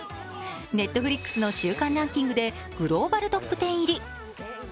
Ｎｅｔｆｌｉｘの週間ランキングでグローバルトップ１０入り。